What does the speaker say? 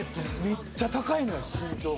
めっちゃ高いのよ身長が。